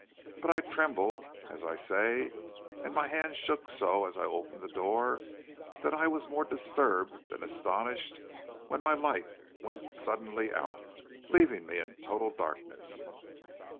But I trembled, as I say, and my hand shook so as I opened the door that I was more disturbed than astonished when my light went suddenly out, leaving me in total darkness.